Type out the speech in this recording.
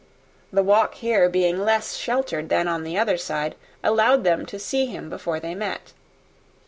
The walk being here less sheltered than on the other side, allowed them to see him before they met.